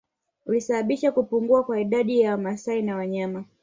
Ulisababisha kupungua kwa idadi ya Wamasai na wanyama